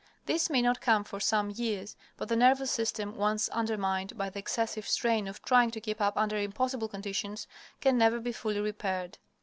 This may not come for some years, but the nervous system, once undermined by the excessive strain of trying to keep up under impossible conditions, can never be fully repaired.